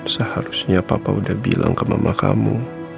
seharusnya papa udah bilang ke mama kamu